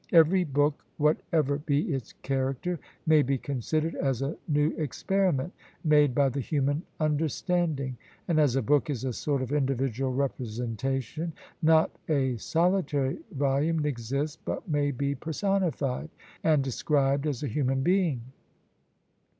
Every book, whatever be its character, may be considered as a new experiment made by the human understanding; and as a book is a sort of individual representation, not a solitary volume exists but may be personified, and described as a human being.